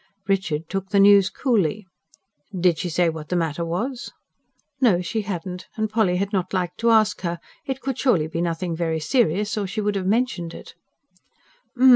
Richard took the news coolly. "Did she say what the matter was?" No, she hadn't; and Polly had not liked to ask her; it could surely be nothing very serious, or she would have mentioned it.